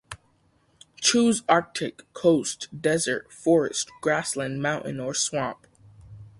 Choose arctic, coast, desert, forest, grassland, mountain, or swamp.